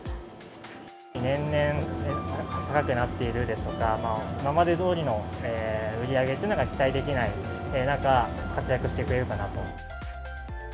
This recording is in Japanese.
年々高くなっているですとか、今までどおりの売り上げっていうのが期待できない中、活躍してくれるかなと。